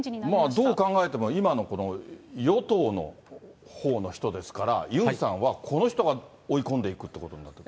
どう考えても今のこの与党のほうの人ですから、ユンさんはこの人が追い込んでいくってことになってくる。